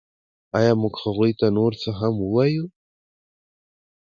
ایا موږ باید هغوی ته نور څه هم ووایو